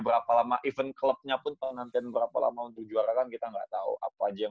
berapa lama even klubnya pun kalau nantian berapa lama untuk juara kan kita nggak tahu apa aja yang